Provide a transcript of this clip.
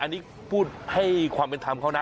อันนี้พูดให้ความเป็นธรรมเขานะ